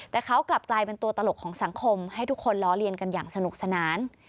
แต่เขากลับกลายเป็นตัวตลกของสังคมให้ทุกคนล้อเลียนกันอย่างสนุกสนาน